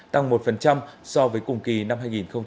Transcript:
tăng một so với cùng kỳ năm hai nghìn hai mươi ba